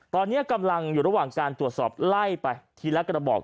ตอนนี้กำลังอยู่ระหว่างการตรวจสอบไล่ไปทีละกระบอก